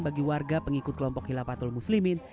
bagi warga pengikut kelompok hilafatul muslimin